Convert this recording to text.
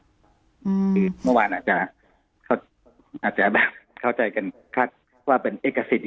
คือเมื่อวานอาจจะแบบเข้าใจกันคาดว่าเป็นเอกสิทธิ